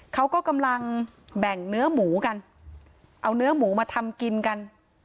เขาก็กำลังแบ่งเนื้อหมูกันเอาเนื้อหมูมาทำกินกัน